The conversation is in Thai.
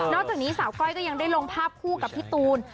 จากนี้สาวก้อยก็ยังได้ลงภาพคู่กับพี่ตูน